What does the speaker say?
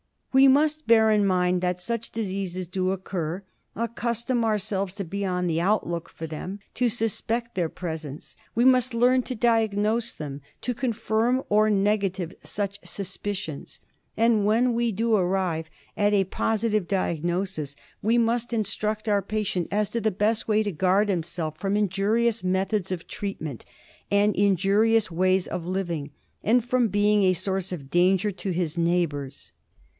We must bear in mind that such diseases do occur; accustom ourselves to be on the outlook for them ; to suspect their presence. We must learn to diagnose them. (Enlarged from a phot, to confirm or negative such suspicions. And when we do arrive at a positive diagnosis, we must instruct our patient as to the best way to guard himself from injurious methods of treatment and injurious ways of living, and from being a source of danger to his neighbours.